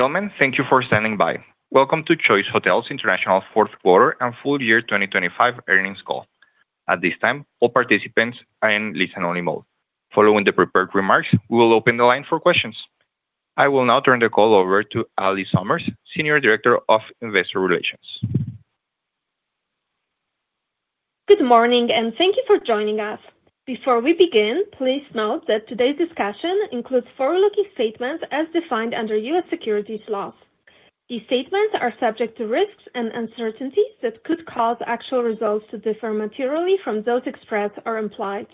Ladies and gentlemen, thank you for standing by. Welcome to Choice Hotels International's fourth quarter and full year 2025 earnings call. At this time, all participants are in listen-only mode. Following the prepared remarks, we will open the line for questions. I will now turn the call over to Allie Summers, Senior Director of Investor Relations. Good morning and thank you for joining us. Before we begin, please note that today's discussion includes forward-looking statements as defined under U.S. securities laws. These statements are subject to risks and uncertainties that could cause actual results to differ materially from those expressed or implied.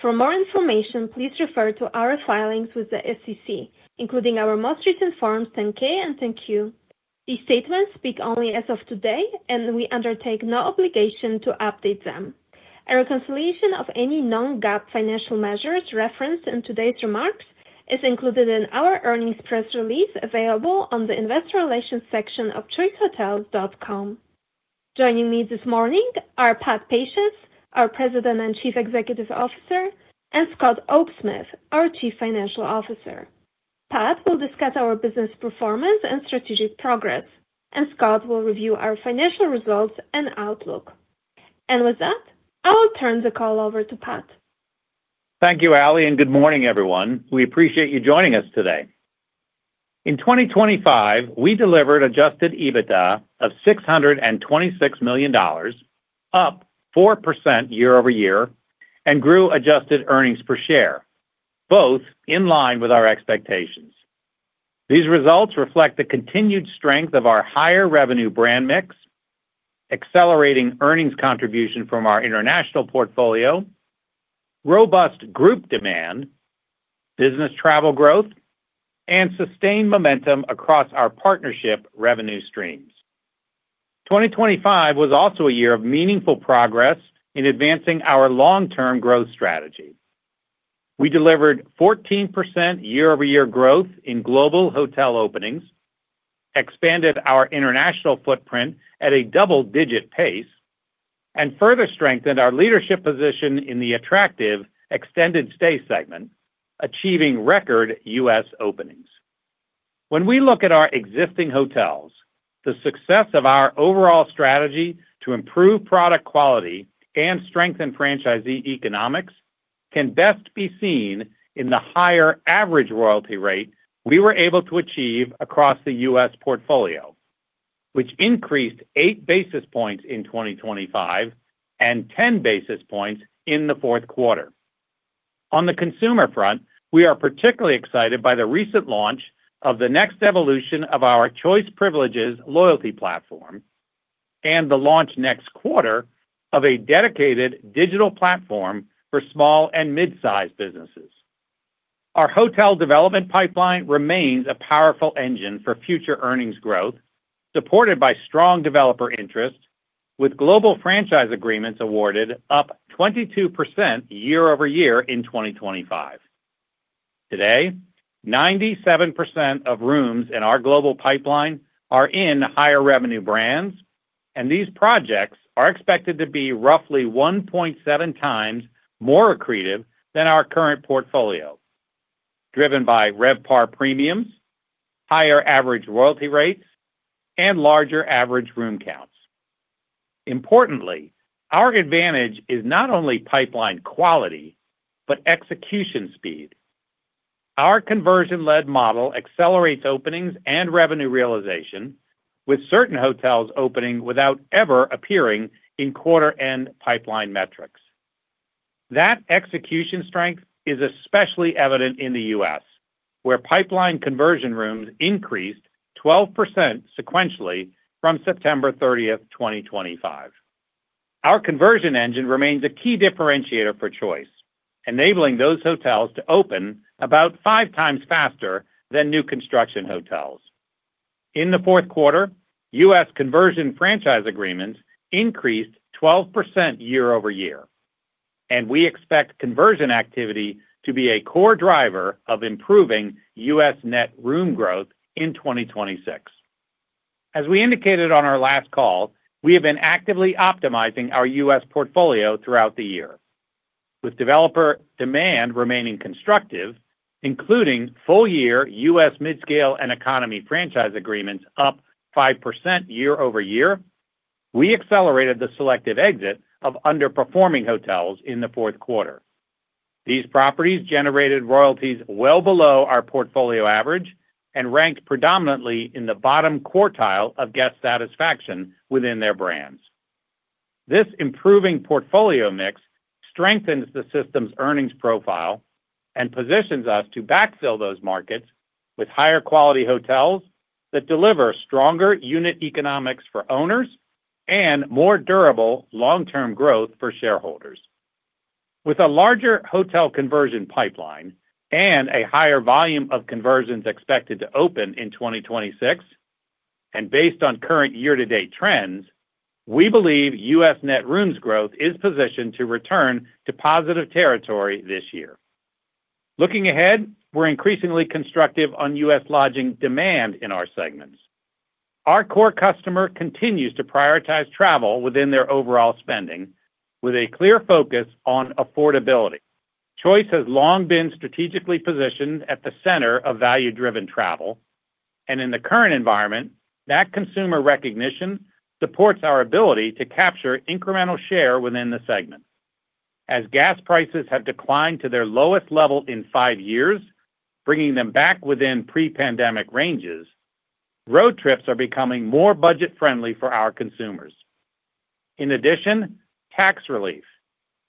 For more information, please refer to our filings with the SEC, including our most recent forms 10-K and 10-Q. These statements speak only as of today, and we undertake no obligation to update them. A reconciliation of any non-GAAP financial measures referenced in today's remarks is included in our earnings press release, available on the investor relations section of C hoicehotels.com. Joining me this morning are Patrick Pacious, our President and Chief Executive Officer, and Scott Oaksmith, our Chief Financial Officer. Pat will discuss our business performance and strategic progress, and Scott will review our financial results and outlook. With that, I will turn the call over to Pat. Thank you, Allie, and good morning, everyone. We appreciate you joining us today. In 2025, we delivered adjusted EBITDA of $626 million, up 4% year-over-year, and grew adjusted earnings per share, both in line with our expectations. These results reflect the continued strength of our higher revenue brand mix, accelerating earnings contribution from our international portfolio, robust group demand, business travel growth, and sustained momentum across our partnership revenue streams. 2025 was also a year of meaningful progress in advancing our long-term growth strategy. We delivered 14% year-over-year growth in global hotel openings, expanded our international footprint at a double-digit pace, and further strengthened our leadership position in the attractive extended stay segment, achieving record U.S. openings. When we look at our existing hotels, the success of our overall strategy to improve product quality and strengthen franchisee economics can best be seen in the higher average royalty rate we were able to achieve across the U.S. portfolio, which increased 8 basis points in 2025 and 10 basis points in the fourth quarter. On the consumer front, we are particularly excited by the recent launch of the next evolution of our Choice Privileges loyalty platform and the launch next quarter of a dedicated digital platform for small and mid-sized businesses. Our hotel development pipeline remains a powerful engine for future earnings growth, supported by strong developer interest, with global franchise agreements awarded up 22% year over year in 2025. Today, 97% of rooms in our global pipeline are in higher revenue brands, and these projects are expected to be roughly 1.7 times more accretive than our current portfolio, driven by RevPAR premiums, higher average royalty rates, and larger average room counts. Importantly, our advantage is not only pipeline quality but execution speed. Our conversion-led model accelerates openings and revenue realization, with certain hotels opening without ever appearing in quarter end pipeline metrics. That execution strength is especially evident in the U.S., where pipeline conversion rooms increased 12% sequentially from September 30, 2025. Our conversion engine remains a key differentiator for Choice, enabling those hotels to open about five times faster than new construction hotels. In the fourth quarter, U.S. conversion franchise agreements increased 12% year-over-year, and we expect conversion activity to be a core driver of improving U.S. net room growth in 2026. As we indicated on our last call, we have been actively optimizing our U.S. portfolio throughout the year. With developer demand remaining constructive, including full year U.S. midscale and economy franchise agreements up 5% year-over-year, we accelerated the selective exit of underperforming hotels in the fourth quarter. These properties generated royalties well below our portfolio average and ranked predominantly in the bottom quartile of guest satisfaction within their brands. This improving portfolio mix strengthens the system's earnings profile and positions us to backfill those markets with higher quality hotels that deliver stronger unit economics for owners and more durable long-term growth for shareholders. With a larger hotel conversion pipeline and a higher volume of conversions expected to open in 2026, and based on current year-to-date trends, we believe U.S. net rooms growth is positioned to return to positive territory this year. Looking ahead, we're increasingly constructive on U.S. lodging demand in our segment. Our core customer continues to prioritize travel within their overall spending, with a clear focus on affordability. Choice has long been strategically positioned at the center of value-driven travel, and in the current environment, that consumer recognition supports our ability to capture incremental share within the segment. As gas prices have declined to their lowest level in 5 years, bringing them back within pre-pandemic ranges, road trips are becoming more budget-friendly for our consumers. In addition, tax relief,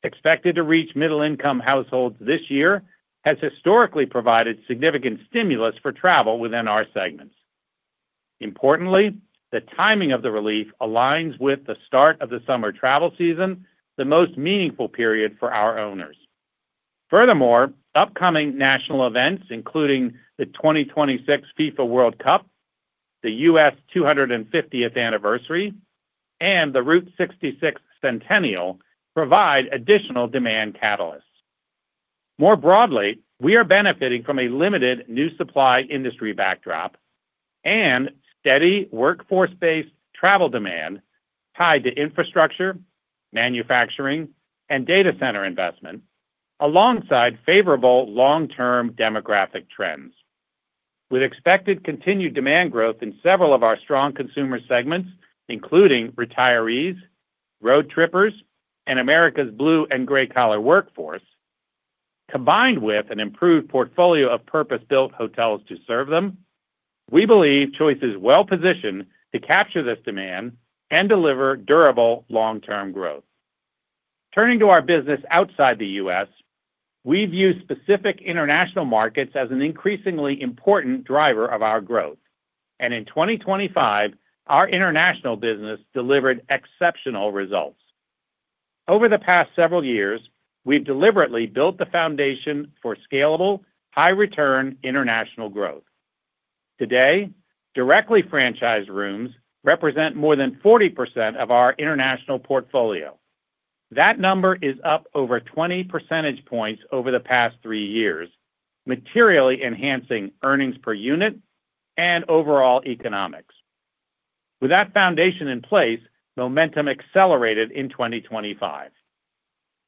expected to reach middle-income households this year has historically provided significant stimulus for travel within our segments. Importantly, the timing of the relief aligns with the start of the summer travel season, the most meaningful period for our owners. Furthermore, upcoming national events, including the 2026 FIFA World Cup, the U.S. 250th anniversary, and the Route 66 Centennial, provide additional demand catalysts. More broadly, we are benefiting from a limited new supply industry backdrop and steady workforce-based travel demand tied to infrastructure, manufacturing, and data center investment, alongside favorable long-term demographic trends. With expected continued demand growth in several of our strong consumer segments, including retirees, road trippers, and America's blue- and gray-collar workforce, combined with an improved portfolio of purpose-built hotels to serve them, we believe Choice is well-positioned to capture this demand and deliver durable long-term growth. Turning to our business outside the US, we view specific international markets as an increasingly important driver of our growth, and in 2025, our international business delivered exceptional results. Over the past several years, we've deliberately built the foundation for scalable, high-return international growth. Today, directly franchised rooms represent more than 40% of our international portfolio. That number is up over 20 percentage points over the past 3 years, materially enhancing earnings per unit and overall economics. With that foundation in place, momentum accelerated in 2025.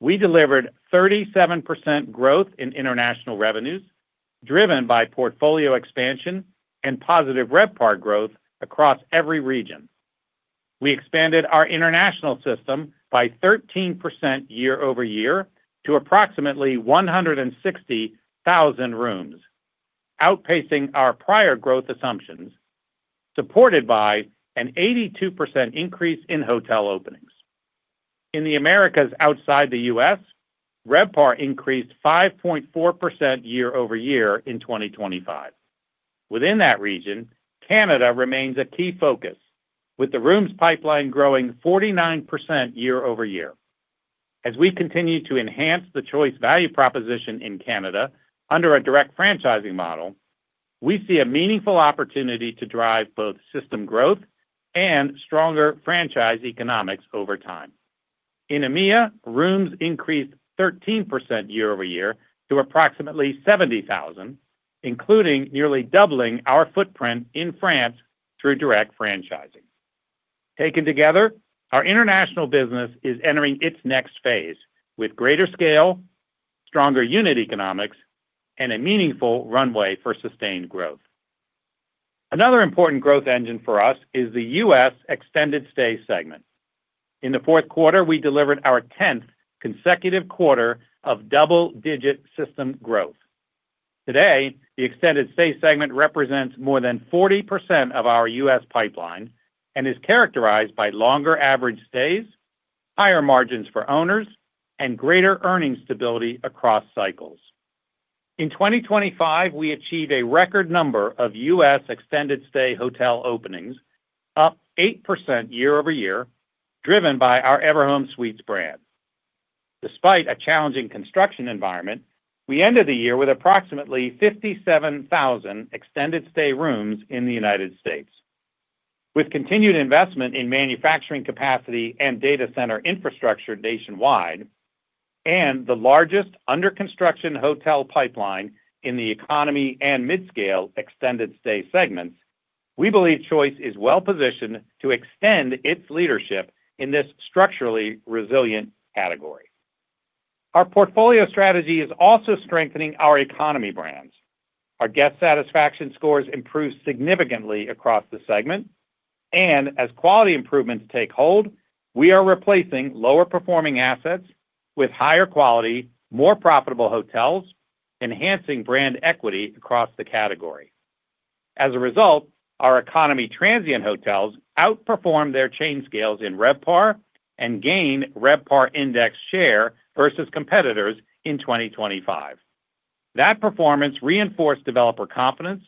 We delivered 37% growth in international revenues, driven by portfolio expansion and positive RevPAR growth across every region. We expanded our international system by 13% year-over-year to approximately 160,000 rooms, outpacing our prior growth assumptions, supported by an 82% increase in hotel openings. In the Americas outside the U.S., RevPAR increased 5.4% year-over-year in 2025. Within that region, Canada remains a key focus, with the rooms pipeline growing 49% year-over-year. As we continue to enhance the Choice value proposition in Canada under a direct franchising model, we see a meaningful opportunity to drive both system growth and stronger franchise economics over time. In EMEA, rooms increased 13% year-over-year to approximately 70,000, including nearly doubling our footprint in France through direct franchising. Taken together, our international business is entering its next phase with greater scale, stronger unit economics, and a meaningful runway for sustained growth. Another important growth engine for us is the U.S. extended stay segment. In the fourth quarter, we delivered our 10th consecutive quarter of double-digit system growth. Today, the extended stay segment represents more than 40% of our U.S. pipeline and is characterized by longer average stays, higher margins for owners, and greater earning stability across cycles. In 2025, we achieved a record number of U.S. extended stay hotel openings, up 8% year-over-year, driven by our Everhome suites brand. Despite a challenging construction environment, we ended the year with approximately 57,000 extended stay rooms in the United States. With continued investment in manufacturing capacity and data center infrastructure nationwide, and the largest under-construction hotel pipeline in the economy and midscale extended stay segments, we believe Choice is well positioned to extend its leadership in this structurally resilient category. Our portfolio strategy is also strengthening our economy brands. Our guest satisfaction scores improved significantly across the segment, and as quality improvements take hold, we are replacing lower-performing assets with higher quality, more profitable hotels, enhancing brand equity across the category. As a result, our economy transient hotels outperformed their chain scales in RevPAR and gained RevPAR index share versus competitors in 2025. That performance reinforced developer confidence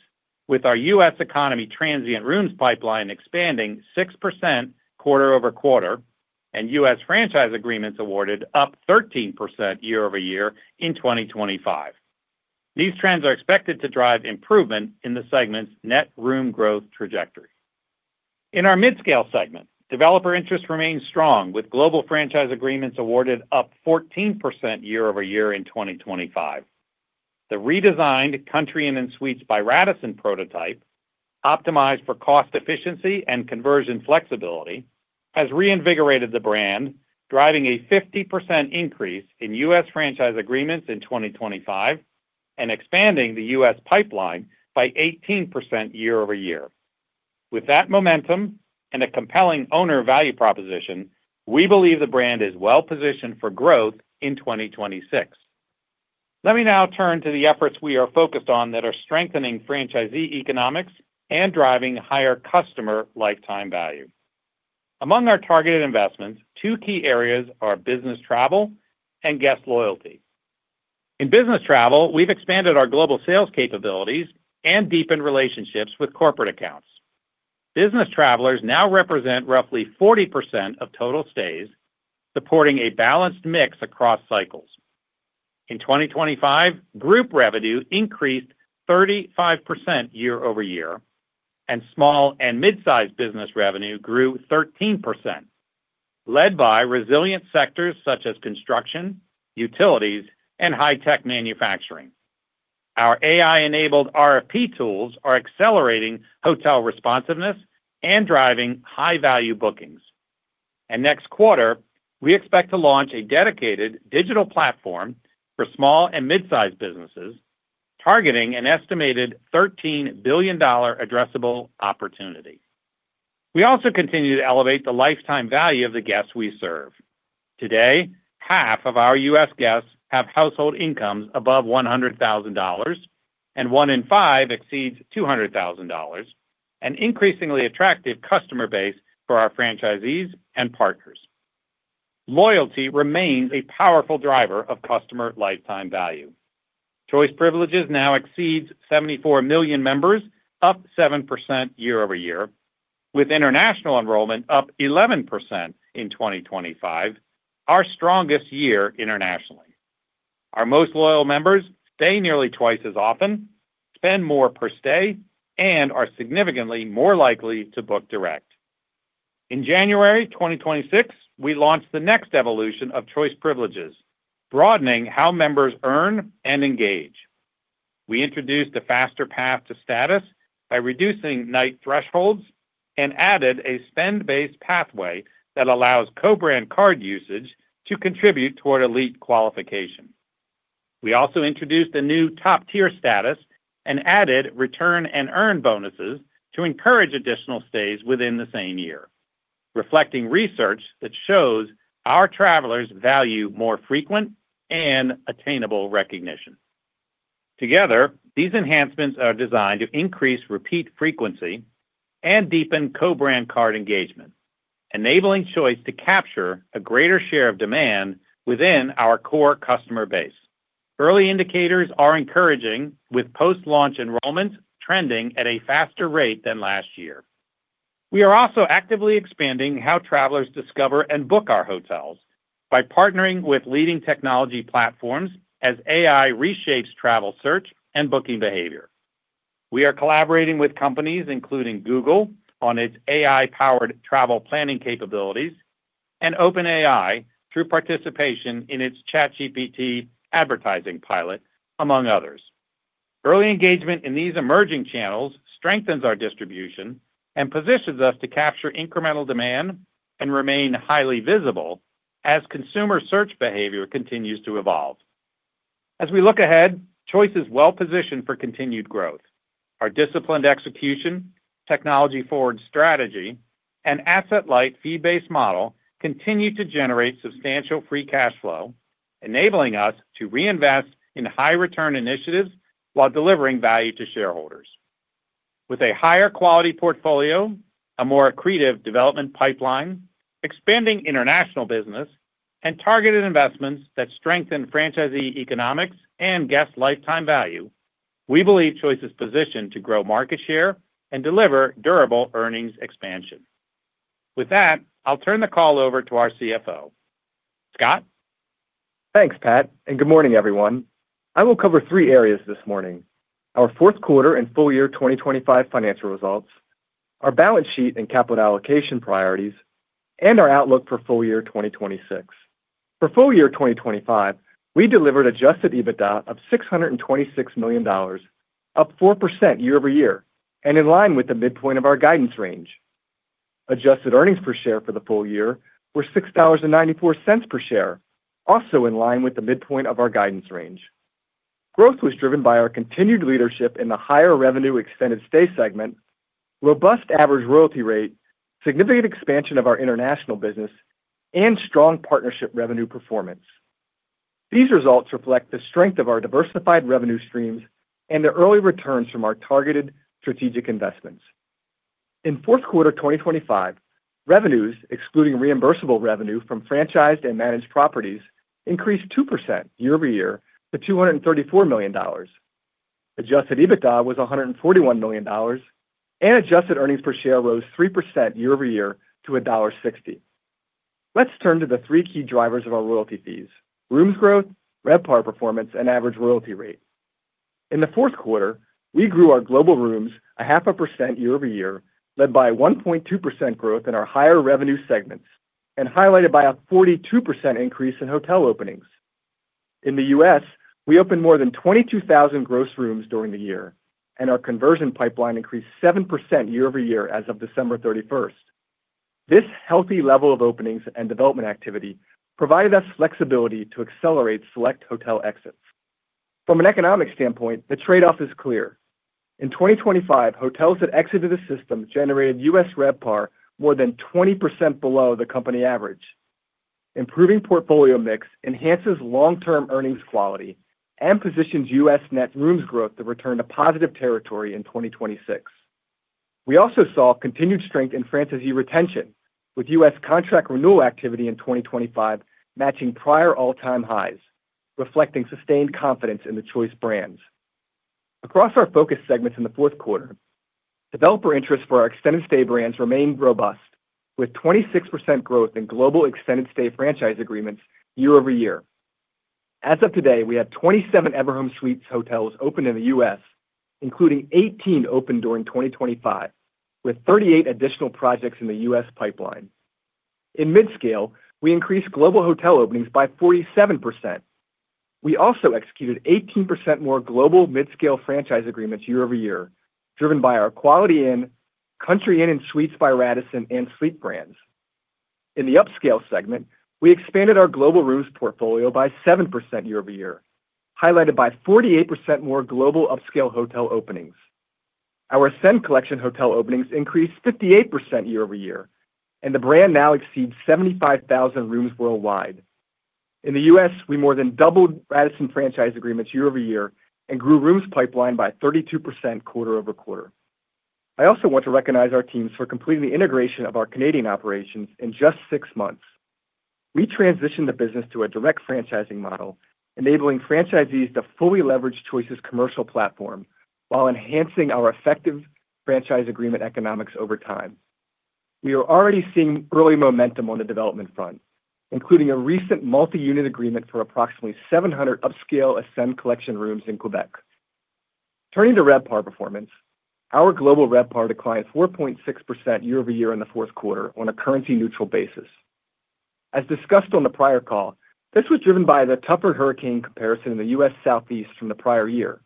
with our U.S. economy transient rooms pipeline expanding 6% quarter-over-quarter, and U.S. franchise agreements awarded up 13% year-over-year in 2025. These trends are expected to drive improvement in the segment's net room growth trajectory. In our midscale segment, developer interest remains strong, with global franchise agreements awarded up 14% year-over-year in 2025. The redesigned Country Inn & Suites by Radisson prototype, optimized for cost efficiency and conversion flexibility, has reinvigorated the brand, driving a 50% increase in U.S. franchise agreements in 2025, and expanding the U.S. pipeline by 18% year-over-year. With that momentum and a compelling owner value proposition, we believe the brand is well-positioned for growth in 2026. Let me now turn to the efforts we are focused on that are strengthening franchisee economics and driving higher customer lifetime value. Among our targeted investments, two key areas are business travel and guest loyalty. In business travel, we've expanded our global sales capabilities and deepened relationships with corporate accounts. Business travelers now represent roughly 40% of total stays, supporting a balanced mix across cycles. In 2025, group revenue increased 35% year-over-year, and small and mid-sized business revenue grew 13%, led by resilient sectors such as construction, utilities, and high-tech manufacturing. Our AI-enabled RFP tools are accelerating hotel responsiveness and driving high-value bookings. Next quarter, we expect to launch a dedicated digital platform for small and mid-sized businesses, targeting an estimated $13 billion addressable opportunity. We also continue to elevate the lifetime value of the guests we serve. Today, half of our U.S. guests have household incomes above $100,000, and one in five exceeds $200,000, an increasingly attractive customer base for our franchisees and partners. Loyalty remains a powerful driver of customer lifetime value. Choice Privileges now exceeds 74 million members, up 7% year-over-year, with international enrollment up 11% in 2025, our strongest year internationally. Our most loyal members stay nearly twice as often, spend more per stay, and are significantly more likely to book direct. In January 2026, we launched the next evolution of Choice Privileges, broadening how members earn and engage. We introduced a faster path to status by reducing night thresholds and added a spend-based pathway that allows co-brand card usage to contribute toward elite qualification. We also introduced a new top-tier status and added return and earn bonuses to encourage additional stays within the same year, reflecting research that shows our travelers value more frequent and attainable recognition. Together, these enhancements are designed to increase repeat frequency and deepen co-brand card engagement, enabling Choice to capture a greater share of demand within our core customer base. Early indicators are encouraging, with post-launch enrollment trending at a faster rate than last year. We are also actively expanding how travelers discover and book our hotels by partnering with leading technology platforms as AI reshapes travel search and booking behavior. We are collaborating with companies, including Google, on its AI-powered travel planning capabilities and OpenAI through participation in its ChatGPT advertising pilot, among others. Early engagement in these emerging channels strengthens our distribution and positions us to capture incremental demand and remain highly visible as consumer search behavior continues to evolve. As we look ahead, Choice is well positioned for continued growth. Our disciplined execution, technology-forward strategy, and asset-light fee-based model continue to generate substantial free cash flow, enabling us to reinvest in high-return initiatives while delivering value to shareholders. With a higher quality portfolio, a more accretive development pipeline, expanding international business, and targeted investments that strengthen franchisee economics and guest lifetime value, we believe Choice is positioned to grow market share and deliver durable earnings expansion. With that, I'll turn the call over to our CFO. Scott? Thanks, Pat, and good morning, everyone. I will cover three areas this morning: our fourth quarter and full year 2025 financial results, our balance sheet and capital allocation priorities, and our outlook for full year 2026. For full year 2025, we delivered adjusted EBITDA of $626 million, up 4% year-over-year, and in line with the midpoint of our guidance range. Adjusted earnings per share for the full year were $6.94 per share, also in line with the midpoint of our guidance range. Growth was driven by our continued leadership in the higher-revenue extended stay segment, robust average royalty rate, significant expansion of our international business, and strong partnership revenue performance. These results reflect the strength of our diversified revenue streams and the early returns from our targeted strategic investments. In fourth quarter 2025, revenues, excluding reimbursable revenue from franchised and managed properties, increased 2% year over year to $234 million. Adjusted EBITDA was $141 million, and adjusted earnings per share rose 3% year over year to $1.60. Let's turn to the three key drivers of our royalty fees: rooms growth, RevPAR performance, and average royalty rate. In the fourth quarter, we grew our global rooms 0.5% year over year, led by a 1.2% growth in our higher-revenue segments and highlighted by a 42% increase in hotel openings. In the US, we opened more than 22,000 gross rooms during the year, and our conversion pipeline increased 7% year over year as of December 31. This healthy level of openings and development activity provided us flexibility to accelerate select hotel exits. From an economic standpoint, the trade-off is clear. In 2025, hotels that exited the system generated U.S. RevPAR more than 20% below the company average. Improving portfolio mix enhances long-term earnings quality and positions U.S. net rooms growth to return to positive territory in 2026. We also saw continued strength in franchisee retention, with U.S. contract renewal activity in 2025 matching prior all-time highs, reflecting sustained confidence in the Choice brands. Across our focus segments in the fourth quarter, developer interest for our extended stay brands remained robust, with 26% growth in global extended stay franchise agreements year-over-year. As of today, we have 27 Everhome Suites Hotels opened in the U.S., including 18 opened during 2025, with 38 additional projects in the U.S. pipeline. In midscale, we increased global hotel openings by 47%. We also executed 18% more global midscale franchise agreements year-over-year, driven by our Quality Inn, Country Inn & Suites by Radisson, and suite brands. In the upscale segment, we expanded our global rooms portfolio by 7% year-over-year, highlighted by 48% more global upscale hotel openings. Our Ascend Collection hotel openings increased 58% year-over-year, and the brand now exceeds 75,000 rooms worldwide. In the U.S., we more than doubled Radisson franchise agreements year-over-year and grew rooms pipeline by 32% quarter-over-quarter. I also want to recognize our teams for completing the integration of our Canadian operations in just 6 months. We transitioned the business to a direct franchising model, enabling franchisees to fully leverage Choice's commercial platform while enhancing our effective franchise agreement economics over time. We are already seeing early momentum on the development front, including a recent multi-unit agreement for approximately 700 upscale Ascend Collection rooms in Quebec. Turning to RevPAR performance, our global RevPAR declined 4.6% year-over-year in the fourth quarter on a currency-neutral basis. As discussed on the prior call, this was driven by the tougher hurricane comparison in the U.S. Southeast from the prior year.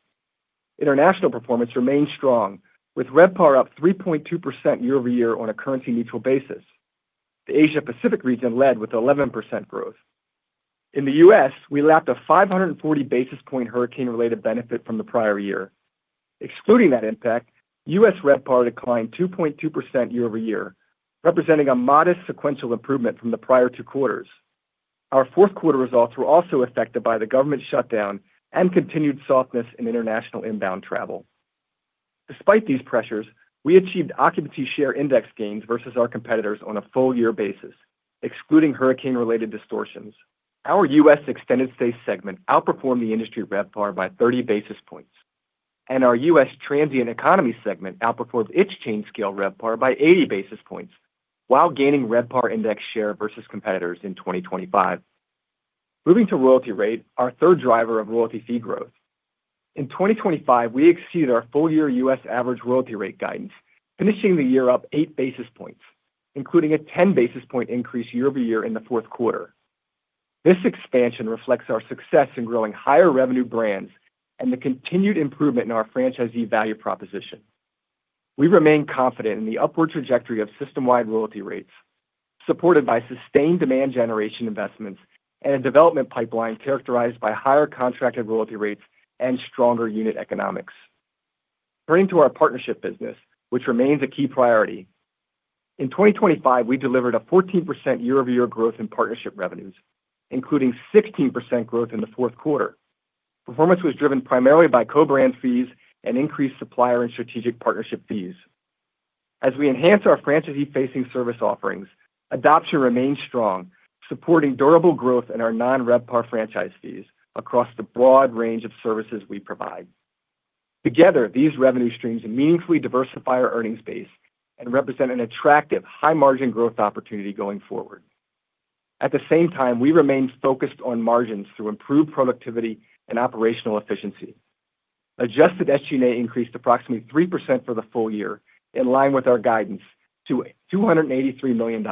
International performance remained strong, with RevPAR up 3.2% year-over-year on a currency-neutral basis. The Asia-Pacific region led with 11% growth. In the U.S., we lapped a 540 basis point hurricane-related benefit from the prior year. Excluding that impact, U.S. RevPAR declined 2.2% year-over-year, representing a modest sequential improvement from the prior two quarters. Our fourth quarter results were also affected by the government shutdown and continued softness in international inbound travel. Despite these pressures, we achieved occupancy share index gains versus our competitors on a full year basis, excluding hurricane-related distortions. Our U.S. extended stay segment outperformed the industry RevPAR by 30 basis points, and our U.S. transient economy segment outperformed its chain scale RevPAR by 80 basis points, while gaining RevPAR index share versus competitors in 2025. Moving to royalty rate, our third driver of royalty fee growth. In 2025, we exceeded our full-year U.S. average royalty rate guidance, finishing the year up 8 basis points, including a 10 basis point increase year-over-year in the fourth quarter. This expansion reflects our success in growing higher revenue brands and the continued improvement in our franchisee value proposition. We remain confident in the upward trajectory of system-wide royalty rates, supported by sustained demand generation investments and a development pipeline characterized by higher contracted royalty rates and stronger unit economics. Turning to our partnership business, which remains a key priority. In 2025, we delivered a 14% year-over-year growth in partnership revenues, including 16% growth in the fourth quarter. Performance was driven primarily by co-brand fees and increased supplier and strategic partnership fees. As we enhance our franchisee-facing service offerings, adoption remains strong, supporting durable growth in our non-RevPAR franchise fees across the broad range of services we provide. Together, these revenue streams meaningfully diversify our earnings base and represent an attractive high-margin growth opportunity going forward. At the same time, we remain focused on margins to improve productivity and operational efficiency. Adjusted SG&A increased approximately 3% for the full year, in line with our guidance, to $283 million,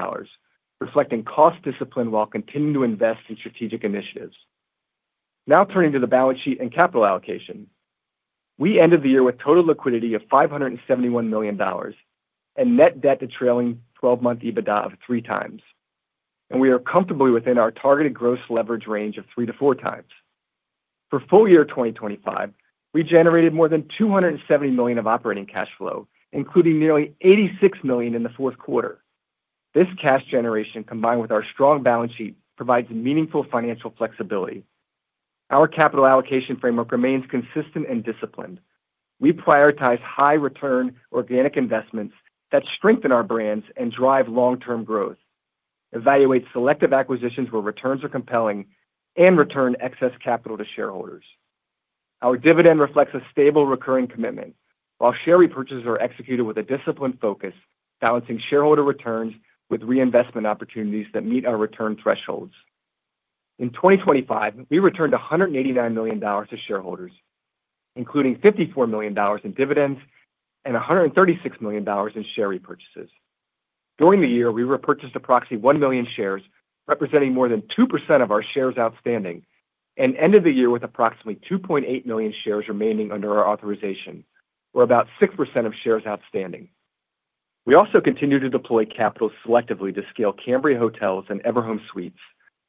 reflecting cost discipline while continuing to invest in strategic initiatives. Now, turning to the balance sheet and capital allocation. We ended the year with total liquidity of $571 million and net debt to trailing twelve-month EBITDA of 3x, and we are comfortably within our targeted gross leverage range of 3x-4x. For full year 2025, we generated more than $270 million of operating cash flow, including nearly $86 million in the fourth quarter. This cash generation, combined with our strong balance sheet, provides meaningful financial flexibility. Our capital allocation framework remains consistent and disciplined. We prioritize high return organic investments that strengthen our brands and drive long-term growth, evaluate selective acquisitions where returns are compelling, and return excess capital to shareholders. Our dividend reflects a stable, recurring commitment, while share repurchases are executed with a disciplined focus, balancing shareholder returns with reinvestment opportunities that meet our return thresholds. In 2025, we returned $189 million to shareholders, including $54 million in dividends and $136 million in share repurchases. During the year, we repurchased approximately 1 million shares, representing more than 2% of our shares outstanding, and ended the year with approximately 2.8 million shares remaining under our authorization, or about 6% of shares outstanding. We also continued to deploy capital selectively to scale Cambria Hotels and Everhome Suites,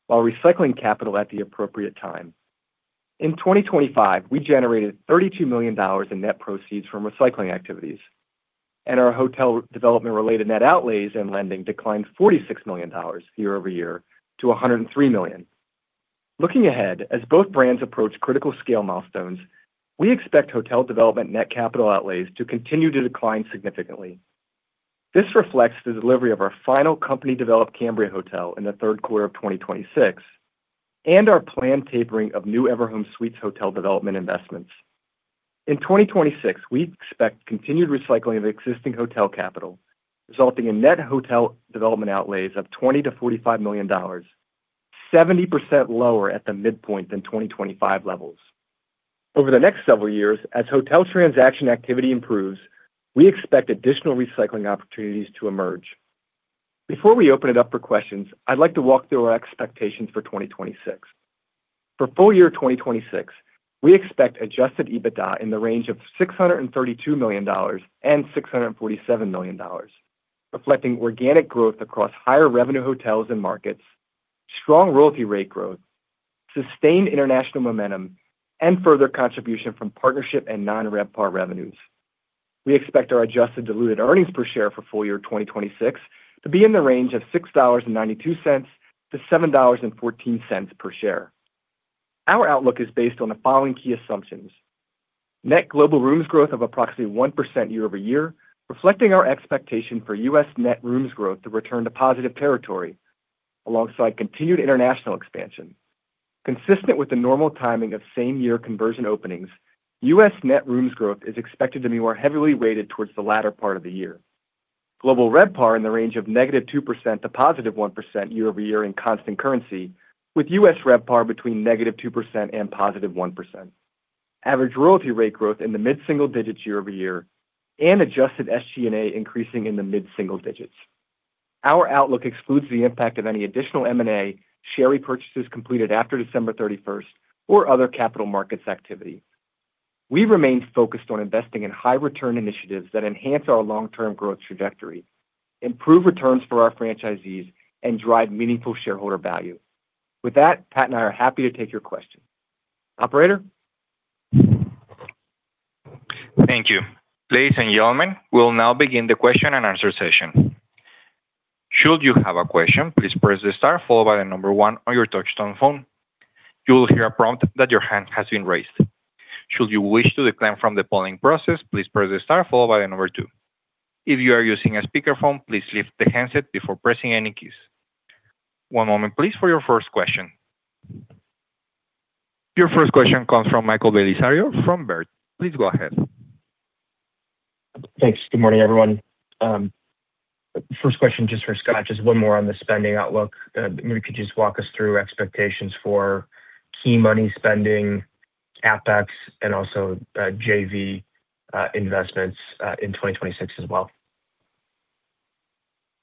while recycling capital at the appropriate time. In 2025, we generated $32 million in net proceeds from recycling activities, and our hotel development-related net outlays and lending declined $46 million year-over-year to $103 million. Looking ahead, as both brands approach critical scale milestones, we expect hotel development net capital outlays to continue to decline significantly. This reflects the delivery of our final company-developed Cambria Hotel in the third quarter of 2026 and our planned tapering of new Everhome Suites hotel development investments. In 2026, we expect continued recycling of existing hotel capital, resulting in net hotel development outlays of $20-$45 million, 70% lower at the midpoint than 2025 levels. Over the next several years, as hotel transaction activity improves, we expect additional recycling opportunities to emerge. Before we open it up for questions, I'd like to walk through our expectations for 2026. For full year 2026, we expect adjusted EBITDA in the range of $632 million-$647 million, reflecting organic growth across higher revenue hotels and markets, strong royalty rate growth, sustained international momentum, and further contribution from partnership and non-RevPAR revenues. We expect our adjusted diluted earnings per share for full year 2026 to be in the range of $6.92-$7.14 per share. Our outlook is based on the following key assumptions: Net global rooms growth of approximately 1% year-over-year, reflecting our expectation for US net rooms growth to return to positive territory alongside continued international expansion. Consistent with the normal timing of same-year conversion openings, U.S. net rooms growth is expected to be more heavily weighted towards the latter part of the year. Global RevPAR in the range of -2% to +1% year-over-year in constant currency, with U.S. RevPAR between -2% and +1%. Average royalty rate growth in the mid-single digits year-over-year and adjusted SG&A increasing in the mid-single digits. Our outlook excludes the impact of any additional M&A, share repurchases completed after December 31, or other capital markets activity. We remain focused on investing in high-return initiatives that enhance our long-term growth trajectory, improve returns for our franchisees, and drive meaningful shareholder value. With that, Pat and I are happy to take your questions. Operator? Thank you. Ladies and gentlemen, we will now begin the question and answer session. Should you have a question, please press the star followed by the number one on your touchtone phone. You will hear a prompt that your hand has been raised. Should you wish to decline from the polling process, please press the star followed by the number two. If you are using a speakerphone, please lift the handset before pressing any keys. One moment, please, for your first question. Your first question comes from Michael Bellisario from Baird. Please go ahead. Thanks. Good morning, everyone. First question, just for Scott, just one more on the spending outlook. Maybe you could just walk us through expectations for key money spending, CapEx, and also, JV, investments, in 2026 as well.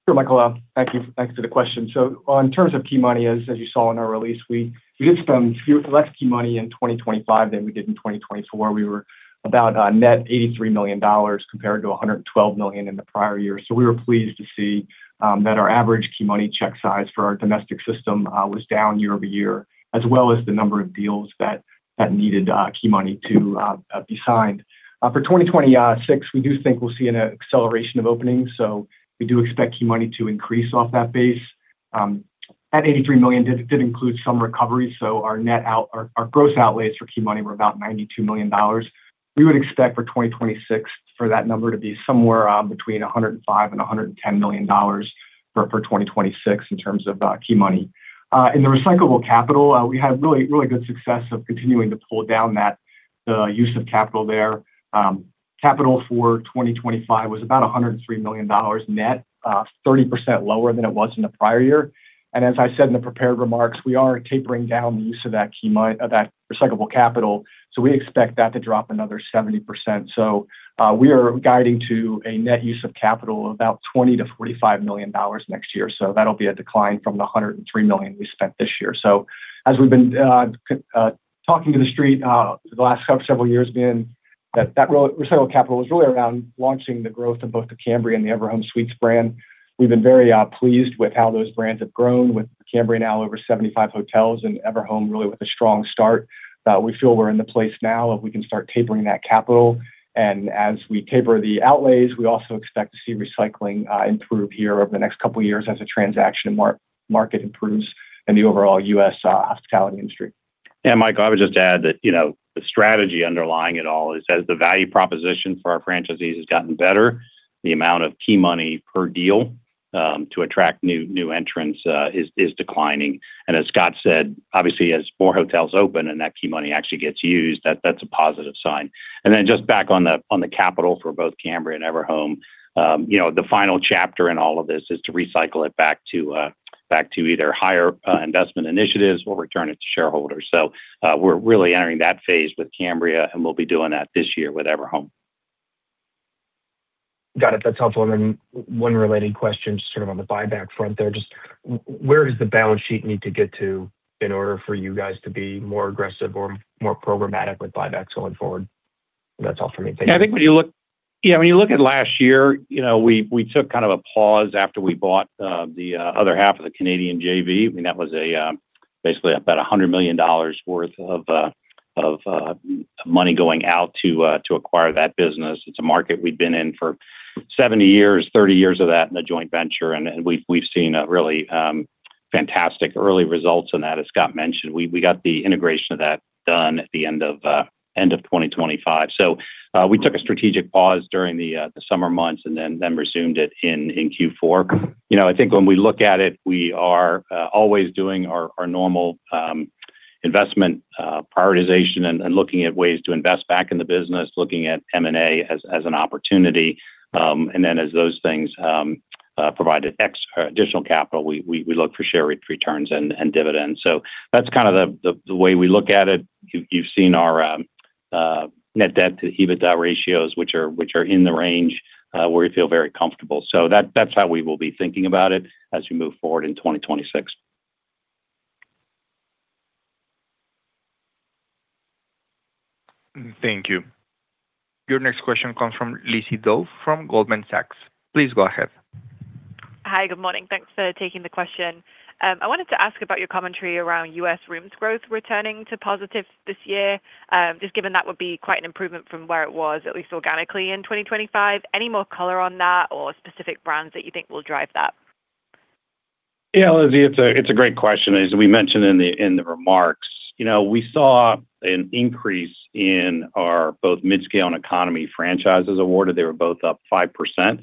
Sure, Michael, thank you. Thanks for the question. So in terms of key money, as you saw in our release, we did spend less key money in 2025 than we did in 2024. We were about net $83 million compared to $112 million in the prior year. So we were pleased to see that our average key money check size for our domestic system was down year over year, as well as the number of deals that needed key money to be signed. For 2026, we do think we'll see an acceleration of openings, so we do expect key money to increase off that base. At $83 million, it did include some recovery, so our net out—our gross outlays for key money were about $92 million. We would expect for 2026 for that number to be somewhere between $105 million and $110 million for, for 2026 in terms of key money. In the recyclable capital, we had really, really good success of continuing to pull down that use of capital there. Capital for 2025 was about $103 million net, 30% lower than it was in the prior year. And as I said in the prepared remarks, we are tapering down the use of that key money, of that recyclable capital, so we expect that to drop another 70%. So, we are guiding to a net use of capital of about $20-$45 million next year. So that'll be a decline from the $103 million we spent this year. So as we've been talking to the Street the last several years being that recyclable capital was really around launching the growth of both the Cambria and the Everhome suites brand. We've been very pleased with how those brands have grown, with Cambria now over 75 hotels and Everhome really with a strong start, we feel we're in the place now where we can start tapering that capital. As we taper the outlays, we also expect to see recycling improve here over the next couple of years as the transaction market improves and the overall U.S. hospitality industry. Yeah, Michael, I would just add that, you know, the strategy underlying it all is, as the value proposition for our franchisees has gotten better, the amount of key money per deal to attract new entrants is declining. And as Scott said, obviously, as more hotels open and that key money actually gets used, that's a positive sign. And then just back on the capital for both Cambria and Everhome, you know, the final chapter in all of this is to recycle it back to either higher investment initiatives or return it to shareholders. So, we're really entering that phase with Cambria, and we'll be doing that this year with Everhome. Got it. That's helpful. And then one related question, just sort of on the buyback front there, just where does the balance sheet need to get to in order for you guys to be more aggressive or more programmatic with buybacks going forward? That's all for me. Thank you. Yeah, I think when you look at last year, you know, we took kind of a pause after we bought the other half of the Canadian JV. I mean, that was basically about $100 million worth of money going out to acquire that business. It's a market we've been in for 70 years, 30 years of that in a joint venture, and we've seen really fantastic early results in that, as Scott mentioned. We got the integration of that done at the end of 2025. So, we took a strategic pause during the summer months and then resumed it in Q4. You know, I think when we look at it, we are always doing our normal investment prioritization and looking at ways to invest back in the business, looking at M&A as an opportunity. And then as those things provide additional capital, we look for share returns and dividends. So that's kind of the way we look at it. You've seen our net debt to EBITDA ratios, which are in the range where we feel very comfortable. So that's how we will be thinking about it as we move forward in 2026. Thank you. Your next question comes from Lizzie Dove from Goldman Sachs. Please go ahead. Hi, good morning. Thanks for taking the question. I wanted to ask about your commentary around U.S. rooms growth returning to positive this year. Just given that would be quite an improvement from where it was, at least organically in 2025. Any more color on that or specific brands that you think will drive that? Yeah, Lizzy, it's a great question. As we mentioned in the remarks, you know, we saw an increase in our both mid-scale and economy franchises awarded. They were both up 5%.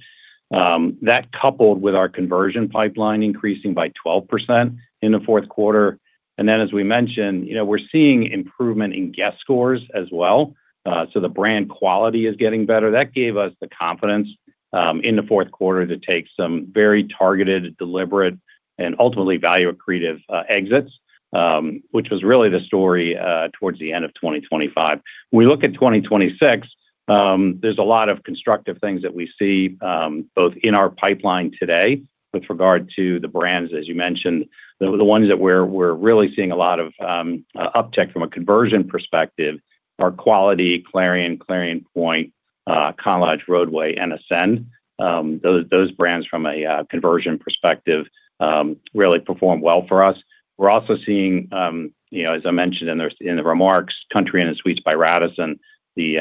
That coupled with our conversion pipeline increasing by 12% in the fourth quarter, and then, as we mentioned, you know, we're seeing improvement in guest scores as well. So the brand quality is getting better. That gave us the confidence in the fourth quarter to take some very targeted, deliberate, and ultimately value accretive exits, which was really the story towards the end of 2025. When we look at 2026, there's a lot of constructive things that we see both in our pipeline today with regard to the brands, as you mentioned. The ones that we're really seeing a lot of uptick from a conversion perspective are Quality, Clarion, Clarion Pointe, Rodeway, and Ascend. Those brands from a conversion perspective really perform well for us. We're also seeing, you know, as I mentioned in the remarks, Country Inn & Suites by Radisson, the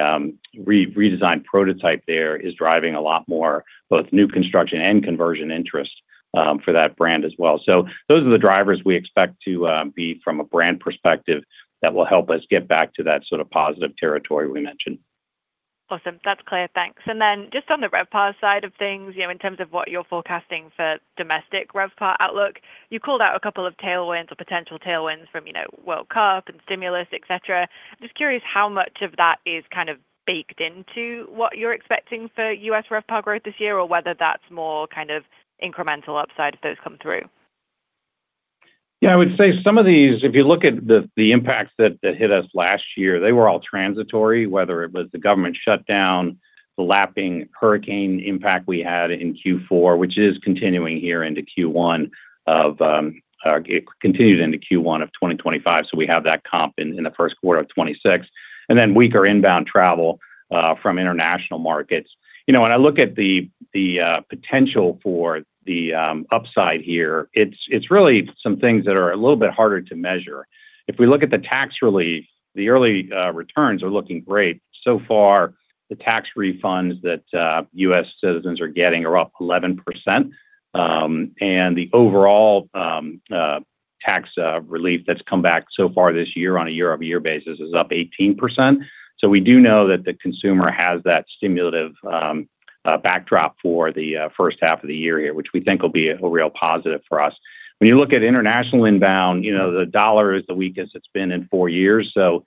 redesigned prototype there is driving a lot more, both new construction and conversion interest, for that brand as well. So those are the drivers we expect to be from a brand perspective, that will help us get back to that sort of positive territory we mentioned. Awesome. That's clear. Thanks. Then just on the RevPAR side of things, you know, in terms of what you're forecasting for domestic RevPAR outlook, you called out a couple of tailwinds or potential tailwinds from, you know, World Cup and stimulus, et cetera. Just curious how much of that is kind of baked into what you're expecting for U.S. RevPAR growth this year, or whether that's more kind of incremental upside if those come through? Yeah, I would say some of these, if you look at the impacts that hit us last year, they were all transitory, whether it was the government shutdown, the lapping hurricane impact we had in Q4, which is continuing here into Q1 of, it continued into Q1 of 2025, so we have that comp in the first quarter of 2026, and then weaker inbound travel from international markets. You know, when I look at the potential for the upside here, it's really some things that are a little bit harder to measure. If we look at the tax relief, the early returns are looking great. So far, the tax refunds that U.S. citizens are getting are up 11%, and the overall tax relief that's come back so far this year on a year-over-year basis is up 18%. So we do know that the consumer has that stimulative backdrop for the first half of the year here, which we think will be a real positive for us. When you look at international inbound, you know, the U.S. dollar is the weakest it's been in 4 years, so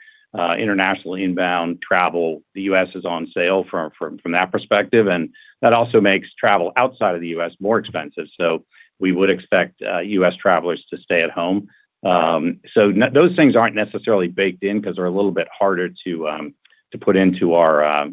internationally, inbound travel, the U.S. is on sale from that perspective, and that also makes travel outside of the U.S. more expensive, so we would expect U.S. travelers to stay at home. So those things aren't necessarily baked in because they're a little bit harder to put into our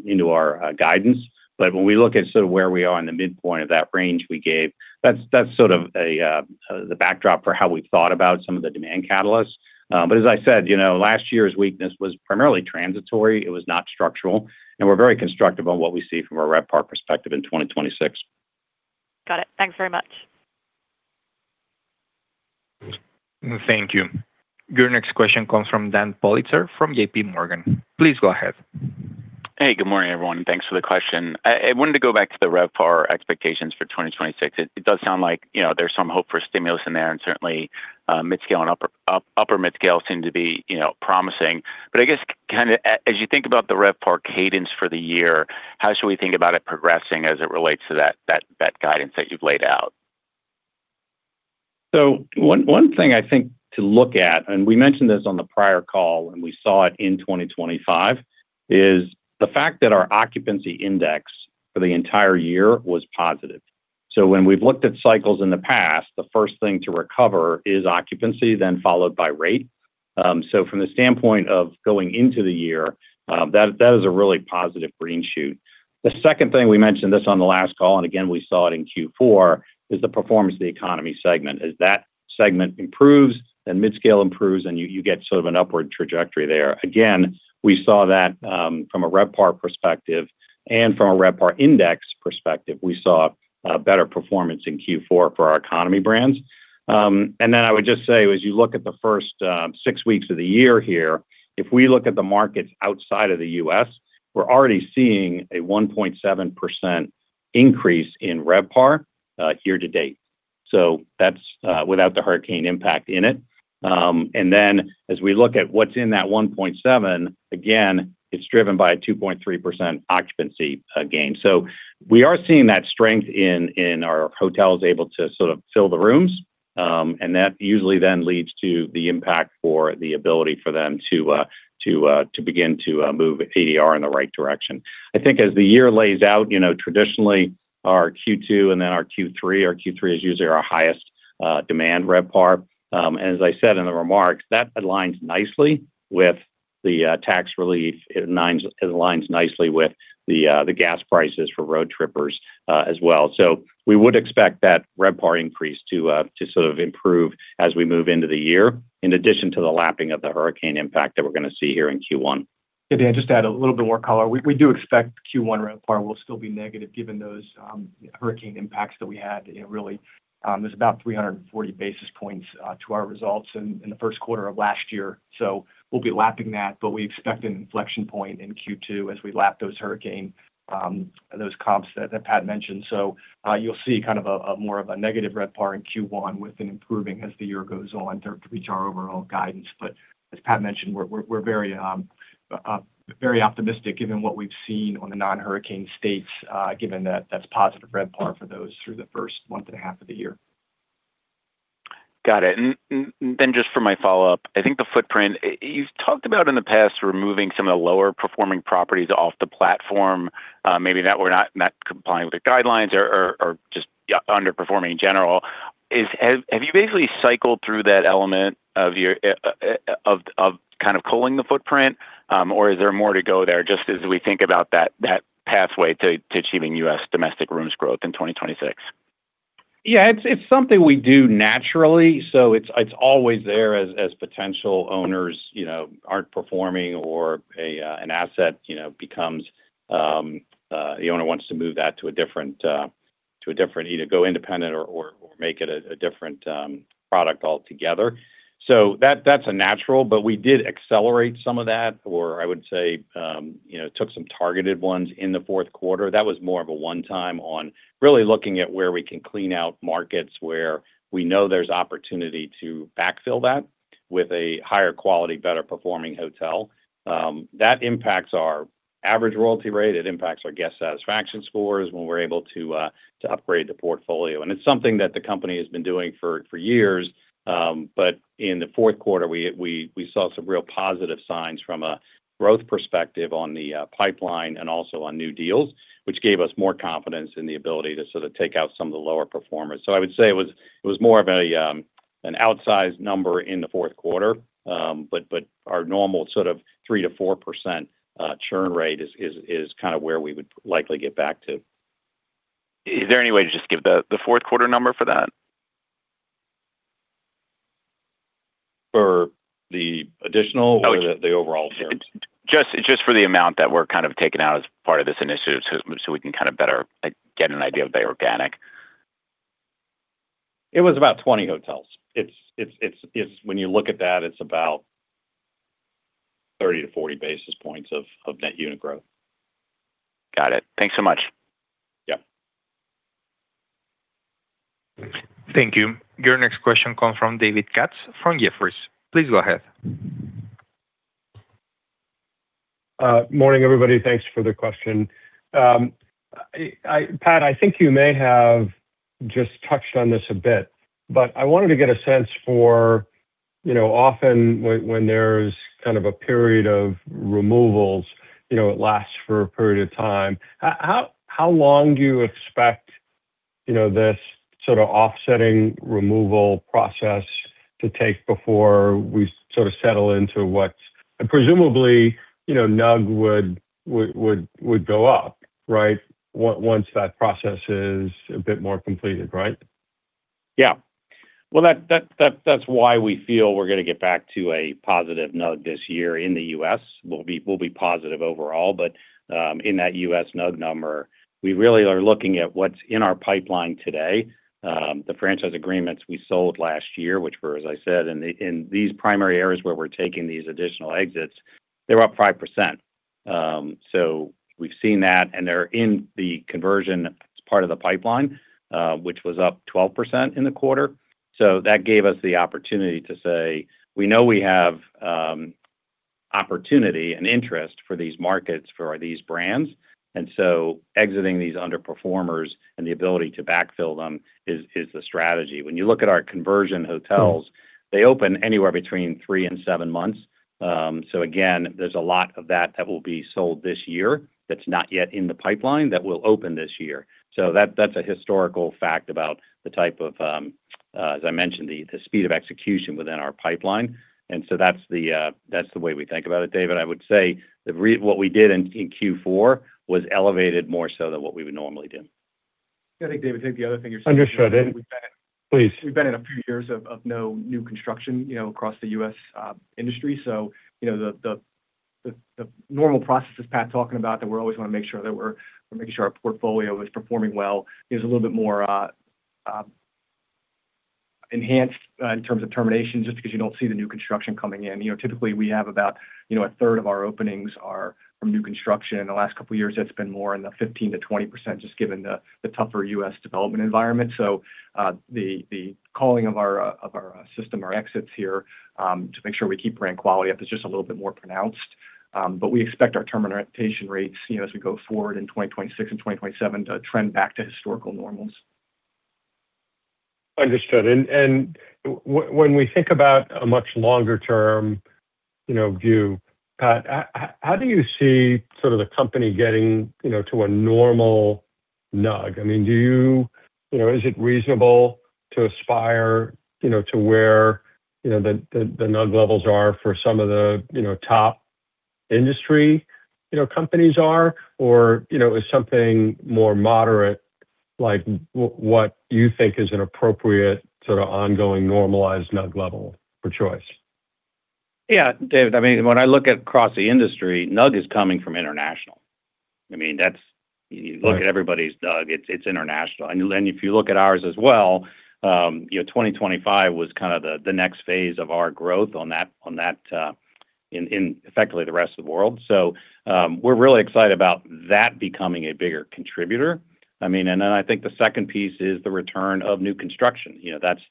guidance. But when we look at sort of where we are in the midpoint of that range we gave, that's sort of the backdrop for how we've thought about some of the demand catalysts. But as I said, you know, last year's weakness was primarily transitory, it was not structural, and we're very constructive on what we see from a RevPAR perspective in 2026. Got it. Thanks very much. Thank you. Your next question comes from Dan Politzer, from JPMorgan. Please go ahead. Hey, good morning, everyone, and thanks for the question. I wanted to go back to the RevPAR expectations for 2026. It does sound like, you know, there's some hope for stimulus in there, and certainly, mid-scale and upper mid-scale seem to be, you know, promising. But I guess kind of, as you think about the RevPAR cadence for the year, how should we think about it progressing as it relates to that guidance that you've laid out? So one, one thing I think to look at, and we mentioned this on the prior call, and we saw it in 2025, is the fact that our occupancy index for the entire year was positive. So when we've looked at cycles in the past, the first thing to recover is occupancy, then followed by rate. So from the standpoint of going into the year, that, that is a really positive green shoot. The second thing, we mentioned this on the last call, and again, we saw it in Q4, is the performance of the economy segment. As that segment improves, then mid-scale improves, and you, you get sort of an upward trajectory there. Again, we saw that from a RevPAR perspective and from a RevPAR index perspective. We saw better performance in Q4 for our economy brands. And then I would just say, as you look at the first 6 weeks of the year here, if we look at the markets outside of the U.S., we're already seeing a 1.7% increase in RevPAR year-to-date. So that's without the hurricane impact in it. And then as we look at what's in that 1.7, again, it's driven by a 2.3% occupancy gain. So we are seeing that strength in our hotels able to sort of fill the rooms, and that usually then leads to the impact for the ability for them to begin to move ADR in the right direction. I think as the year lays out, you know, traditionally, our Q2 and then our Q3, our Q3 is usually our highest demand RevPAR. And as I said in the remarks, that aligns nicely with the tax relief. It aligns, it aligns nicely with the gas prices for road trippers, as well. So we would expect that RevPAR increase to sort of improve as we move into the year, in addition to the lapping of the hurricane impact that we're going to see here in Q1. Yeah, Dan, just to add a little bit more color. We do expect Q1 RevPAR will still be negative, given those hurricane impacts that we had. It really, there's about 340 basis points to our results in the first quarter of last year. So we'll be lapping that, but we expect an inflection point in Q2 as we lap those hurricane comps that Pat mentioned. So, you'll see kind of a more of a negative RevPAR in Q1 with an improving as the year goes on to reach our overall guidance. But as Pat mentioned, we're very optimistic given what we've seen on the non-hurricane states, given that that's positive RevPAR for those through the first month and a half of the year. Got it. And then just for my follow-up, I think the footprint you've talked about in the past, removing some of the lower-performing properties off the platform, maybe that were not complying with the guidelines or just underperforming in general. Have you basically cycled through that element of your kind of culling the footprint? Or is there more to go there, just as we think about that pathway to achieving U.S. domestic rooms growth in 2026? Yeah, it's something we do naturally, so it's always there as potential owners, you know, aren't performing or an asset, you know, becomes. The owner wants to move that to a different, either go independent or make it a different product altogether. So that's a natural, but we did accelerate some of that, or I would say, you know, took some targeted ones in the fourth quarter. That was more of a one-time on really looking at where we can clean out markets, where we know there's opportunity to backfill that with a higher quality, better performing hotel. That impacts our average royalty rate, it impacts our guest satisfaction scores when we're able to upgrade the portfolio. It's something that the company has been doing for years, but in the fourth quarter, we saw some real positive signs from a growth perspective on the pipeline and also on new deals, which gave us more confidence in the ability to sort of take out some of the lower performers. So I would say it was more of an outsized number in the fourth quarter, but our normal sort of 3% to 4% churn rate is kind of where we would likely get back to. Is there any way to just give the fourth quarter number for that? For the additional- Oh- or the overall churn? Just for the amount that we're kind of taking out as part of this initiative, so we can kind of better get an idea of the organic. It was about 20 hotels. When you look at that, it's about 30-40 basis points of net unit growth. Got it. Thanks so much. Yeah. Thank you. Your next question comes from David Katz, from Jefferies. Please go ahead. Morning, everybody. Thanks for the question. Pat, I think you may have just touched on this a bit, but I wanted to get a sense for, you know, often when there's kind of a period of removals, you know, it lasts for a period of time. How long do you expect, you know, this sort of offsetting removal process to take before we sort of settle into what... And presumably, you know, NUG would go up, right? Once that process is a bit more completed, right? Yeah. Well, that's why we feel we're going to get back to a positive NUG this year in the U.S. We'll be positive overall, but in that U.S. NUG number, we really are looking at what's in our pipeline today. The franchise agreements we sold last year, which were, as I said, in these primary areas where we're taking these additional exits, they're up 5%. So we've seen that, and they're in the conversion as part of the pipeline, which was up 12% in the quarter. So that gave us the opportunity to say, we know we have opportunity and interest for these markets, for these brands, and so exiting these underperformers and the ability to backfill them is the strategy. When you look at our conversion hotels, they open anywhere between 3 and 7 months. So again, there's a lot of that that will be sold this year that's not yet in the pipeline, that will open this year. So that, that's a historical fact about the type of, as I mentioned, the, the speed of execution within our pipeline, and so that's the, that's the way we think about it, David. I would say what we did in Q4 was elevated more so than what we would normally do. I think, David, I think the other thing you're- Understood. And please. We've been in a few years of, of no new construction, you know, across the U.S., industry. So you know, the normal processes Pat talking about, that we're always want to make sure that we're, we're making sure our portfolio is performing well, is a little bit more, enhanced, in terms of termination, just because you don't see the new construction coming in. You know, typically we have about, you know, a third of our openings are from new construction. In the last couple of years, it's been more in the 15%-20%, just given the, the tougher U.S. development environment. So, the culling of our, of our system, our exits here, to make sure we keep brand quality up is just a little bit more pronounced. But we expect our termination rates, you know, as we go forward in 2026 and 2027, to trend back to historical normals. Understood. And when we think about a much longer term, you know, view, Pat, how do you see sort of the company getting, you know, to a normal NUG? I mean, do you... You know, is it reasonable to aspire, you know, to where, you know, the NUG levels are for some of the, you know, top industry, you know, companies are? Or, you know, is something more moderate, like what you think is an appropriate sort of ongoing normalized NUG level for Choice? Yeah, David, I mean, when I look at across the industry, NUG is coming from international. I mean, that's- Right You look at everybody's NUG, it's international. And if you look at ours as well, you know, 2025 was kind of the next phase of our growth on that, in effectively the rest of the world. So, we're really excited about that becoming a bigger contributor. I mean, and then I think the second piece is the return of new construction. You know, that's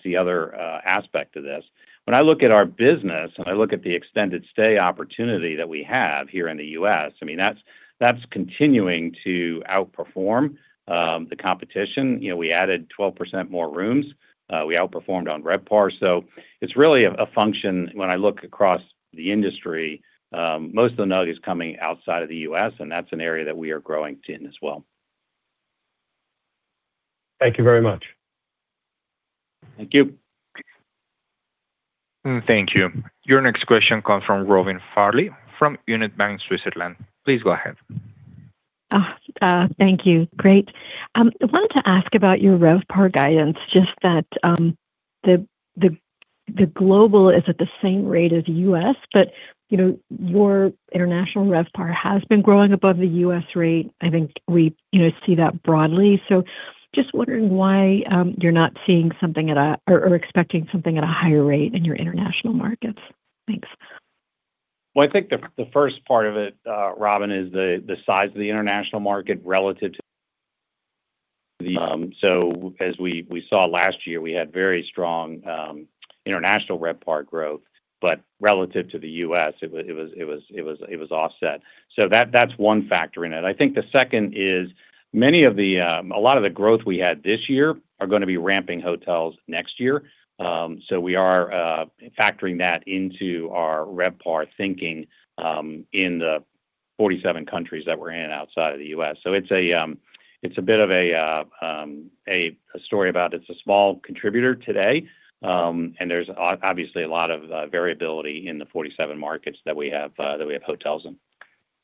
the other aspect to this. When I look at our business, and I look at the extended stay opportunity that we have here in the U.S., I mean, that's continuing to outperform the competition. You know, we added 12% more rooms. We outperformed on RevPAR. So it's really a function when I look across the industry, most of the NUG is coming outside of the U.S., and that's an area that we are growing in as well. Thank you very much. Thank you. Thank you. Your next question comes from Robin Farley from Union Bank Switzerland. Please go ahead. Thank you. Great. I wanted to ask about your RevPAR guidance, just that the global is at the same rate as U.S., but, you know, your international RevPAR has been growing above the U.S. rate. I think we, you know, see that broadly. So just wondering why you're not seeing something or expecting something at a higher rate in your international markets? Thanks. Well, I think the first part of it, Robin, is the size of the international market relative to the. So as we saw last year, we had very strong international RevPAR growth, but relative to the U.S., it was offset. So that's one factor in it. I think the second is a lot of the growth we had this year are going to be ramping hotels next year. So we are factoring that into our RevPAR thinking in the 47 countries that we're in outside of the U.S. So it's a bit of a story about it's a small contributor today, and there's obviously a lot of variability in the 47 markets that we have hotels in.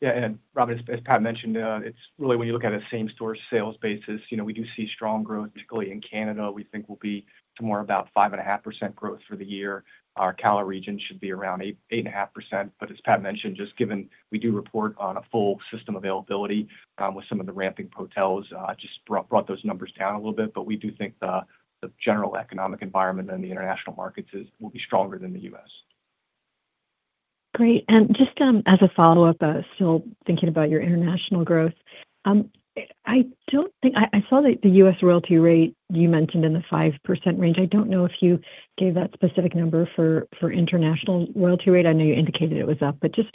Yeah, and Robin, as Pat mentioned, it's really when you look at a same-store sales basis, you know, we do see strong growth, particularly in Canada. We think we'll be to more about 5.5% growth for the year. Our CALA region should be around 8%-8.5%. But as Pat mentioned, just given we do report on a full system availability, with some of the ramping hotels, just brought those numbers down a little bit. But we do think the general economic environment in the international markets is, will be stronger than the U.S. Great. And just, as a follow-up, still thinking about your international growth, I don't think, I saw that the U.S. royalty rate you mentioned in the 5% range. I don't know if you gave that specific number for international royalty rate. I know you indicated it was up, but just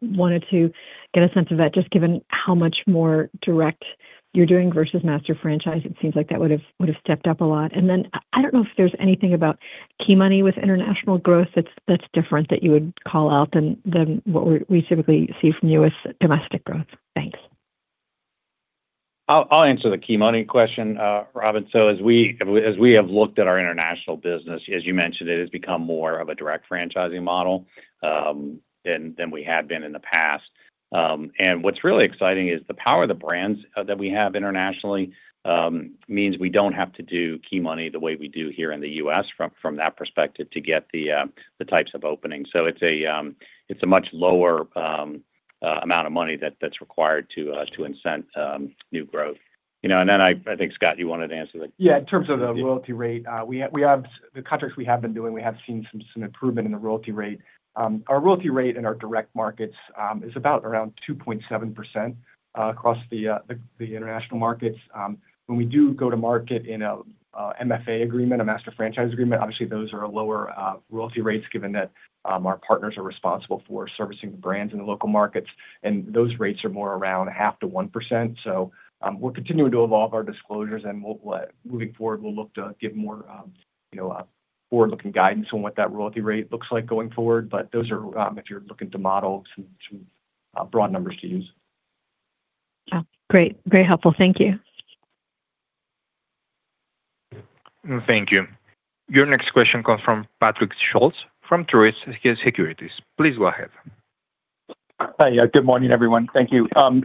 wanted to get a sense of that, just given how much more direct you're doing versus master franchise, it seems like that would've stepped up a lot. And then, I don't know if there's anything about key money with international growth that's different, that you would call out than what we typically see from U.S. domestic growth. Thanks. I'll answer the key money question, Robin. So as we have looked at our international business, as you mentioned, it has become more of a direct franchising model than we have been in the past. And what's really exciting is the power of the brands that we have internationally means we don't have to do key money the way we do here in the U.S., from that perspective, to get the types of openings. So it's a much lower amount of money that's required to incent new growth. You know, and then I think, Scott, you wanted to answer the- Yeah, in terms of the royalty rate, we have the contracts we have been doing, we have seen some improvement in the royalty rate. Our royalty rate in our direct markets is about around 2.7% across the international markets. When we do go to market in a MFA agreement, a master franchise agreement, obviously those are a lower royalty rates, given that our partners are responsible for servicing the brands in the local markets, and those rates are more around 0.5%-1%. So, we're continuing to evolve our disclosures, and we'll, moving forward, we'll look to give more, you know, forward-looking guidance on what that royalty rate looks like going forward. But those are, if you're looking to model some broad numbers to use.... Oh, great. Very helpful. Thank you. Thank you. Your next question comes from Patrick Scholes from Truist Securities. Please go ahead. Hi. Yeah, good morning, everyone. Thank you. So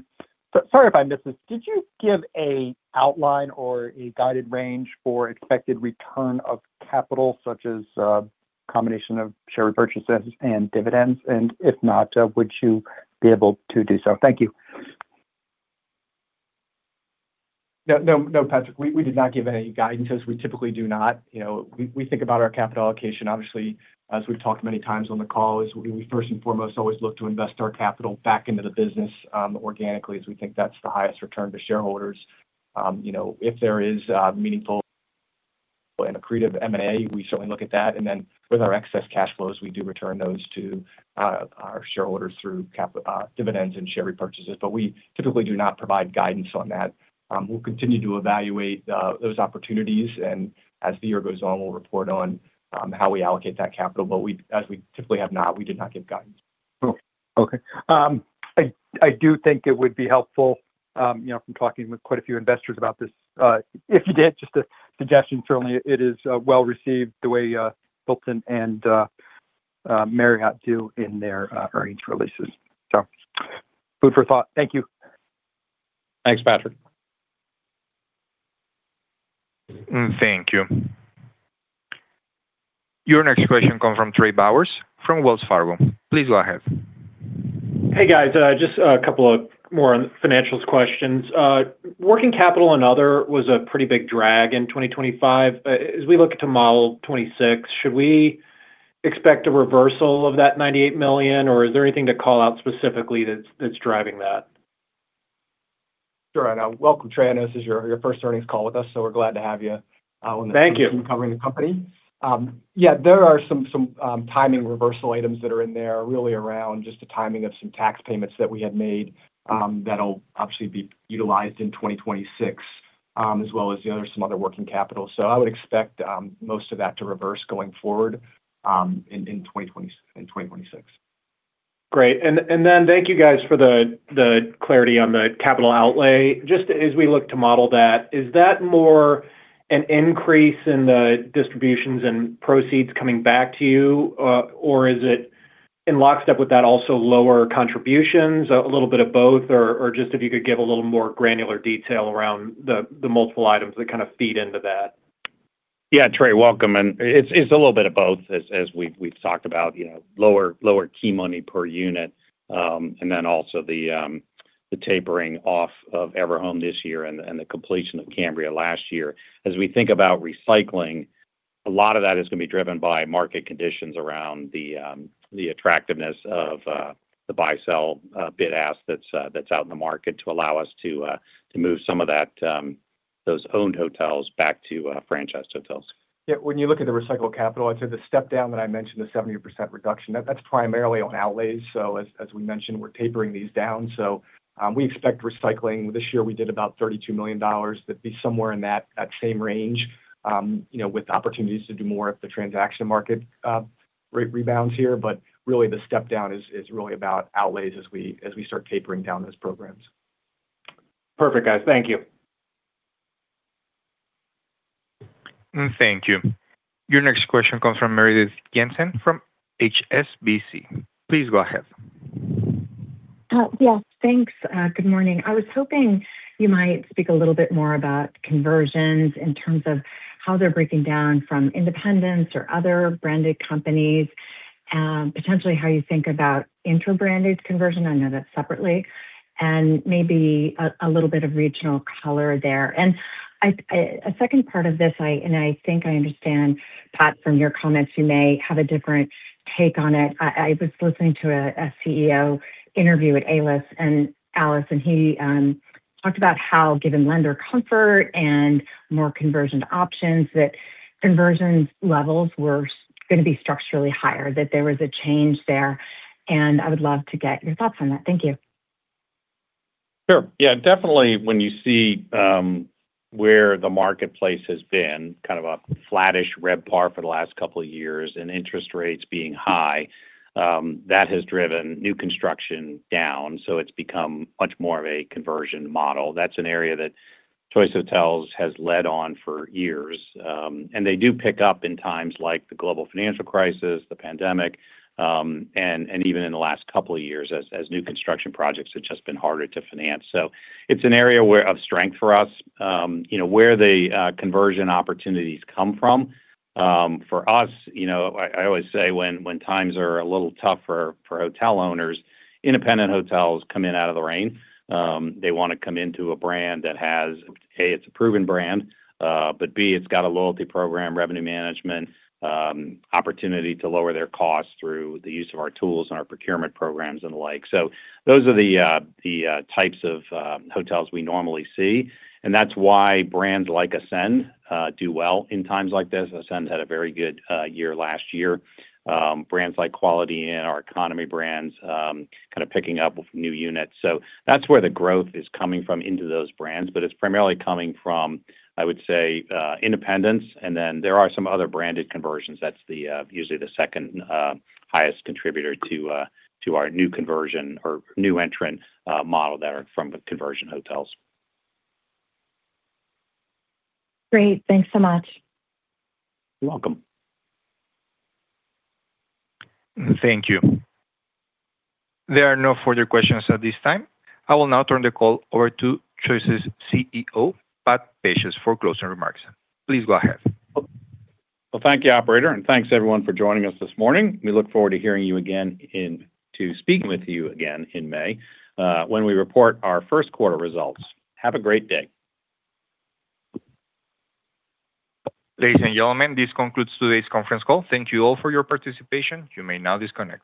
sorry if I missed this, did you give a outline or a guided range for expected return of capital, such as a combination of share repurchases and dividends? And if not, would you be able to do so? Thank you. No, no, no, Patrick, we did not give any guidance, as we typically do not. You know, we think about our capital allocation, obviously, as we've talked many times on the call, is we first and foremost always look to invest our capital back into the business organically, as we think that's the highest return to shareholders. You know, if there is meaningful and accretive M&A, we certainly look at that. And then with our excess cash flows, we do return those to our shareholders through capital dividends and share repurchases. But we typically do not provide guidance on that. We'll continue to evaluate those opportunities, and as the year goes on, we'll report on how we allocate that capital. But as we typically have not, we did not give guidance. Okay. I do think it would be helpful, you know, from talking with quite a few investors about this, if you did, just a suggestion, certainly it is well-received the way Hilton and Marriott do in their earnings releases. So food for thought. Thank you. Thanks, Patrick. Thank you. Your next question comes from Trey Bowers from Wells Fargo. Please go ahead. Hey, guys. Just a couple of more financials questions. Working capital and other was a pretty big drag in 2025. As we look to model 2026, should we expect a reversal of that $98 million, or is there anything to call out specifically that's driving that? Sure. Welcome, Trey, I know this is your, your first earnings call with us, so we're glad to have you. Thank you. Covering the company. Yeah, there are some timing reversal items that are in there, really around just the timing of some tax payments that we had made, that'll obviously be utilized in 2026, as well as some other working capital. So I would expect most of that to reverse going forward, in 2026. Great. And then thank you guys for the clarity on the capital outlay. Just as we look to model that, is that more an increase in the distributions and proceeds coming back to you, or is it in lockstep with that, also lower contributions, a little bit of both? Or just if you could give a little more granular detail around the multiple items that kind of feed into that. Yeah, Trey, welcome. And it's a little bit of both as we've talked about, you know, lower key money per unit, and then also the tapering off of Everhome this year and the completion of Cambria last year. As we think about recycling, a lot of that is going to be driven by market conditions around the attractiveness of the buy/sell bid ask that's out in the market to allow us to move some of that those owned hotels back to franchised hotels. Yeah, when you look at the recycled capital, I'd say the step down that I mentioned, the 70% reduction, that's primarily on outlays. So as we mentioned, we're tapering these down, so we expect recycling. This year, we did about $32 million. That'd be somewhere in that same range, you know, with opportunities to do more if the transaction market rebounds here. But really, the step down is really about outlays as we start tapering down those programs. Perfect, guys. Thank you. Thank you. Your next question comes from Meredith Jensen from HSBC. Please go ahead. Yeah, thanks. Good morning. I was hoping you might speak a little bit more about conversions in terms of how they're breaking down from independents or other branded companies, and potentially how you think about inter-branded conversion, I know that's separately, and maybe a little bit of regional color there. And a second part of this, and I think I understand, Pat, from your comments, you may have a different take on it. I was listening to a CEO interview with Allie, and he talked about how given lender comfort and more conversion options, that conversion levels were going to be structurally higher, that there was a change there, and I would love to get your thoughts on that. Thank you. Sure. Yeah, definitely when you see where the marketplace has been, kind of a flattish RevPAR for the last couple of years, and interest rates being high, that has driven new construction down, so it's become much more of a conversion model. That's an area that Choice Hotels has led on for years. And they do pick up in times like the global financial crisis, the pandemic, and even in the last couple of years as new construction projects have just been harder to finance. So it's an area of strength for us. You know, where the conversion opportunities come from, for us, you know, I always say when times are a little tougher for hotel owners, independent hotels come in out of the rain. They want to come into a brand that has, A, it's a proven brand, but, B, it's got a loyalty program, revenue management, opportunity to lower their costs through the use of our tools and our procurement programs and the like. So those are the types of hotels we normally see, and that's why brands like Ascend do well in times like this. Ascend had a very good year last year. Brands like Quality Inn and our economy brands kind of picking up with new units. So that's where the growth is coming from into those brands, but it's primarily coming from, I would say, independents, and then there are some other branded conversions. That's usually the second highest contributor to our new conversion or new entrant model that are from the conversion hotels. Great. Thanks so much. You're welcome. Thank you. There are no further questions at this time. I will now turn the call over to choice's CEO, Pat Pacious, for closing remarks. Please go ahead. Well, thank you, operator, and thanks everyone for joining us this morning. We look forward to speaking with you again in May, when we report our first quarter results. Have a great day. Ladies and gentlemen, this concludes today's conference call. Thank you all for your participation. You may now disconnect.